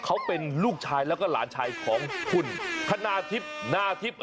เขาเป็นลูกชายแล้วก็หลานชายของคุณคณาทิพย์นาทิพย์